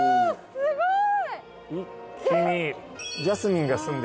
すごい。